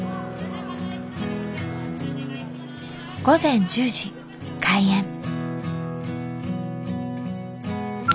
午前１０時開園。